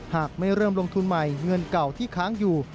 หากไม่เริ่มลงทุนใหม่เงินเก่าที่ค้างอยู่